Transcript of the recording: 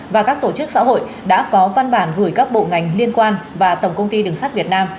và các tổ chức xã hội đã có văn bản gửi các bộ ngành liên quan và tổng công ty đường sắt việt nam